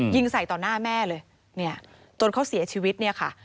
ยิงใส่ต่อหน้าแม่เลยเนี่ยจนเขาเสียชีวิตเนี่ยค่ะ